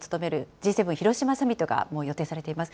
Ｇ７広島サミットが予定されています。